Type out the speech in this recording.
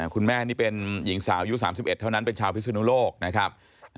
คุณแม่นี่เป็นหญิงสาวอายุ๓๑เท่านั้นเป็นชาวพิศนุโลกนะครับ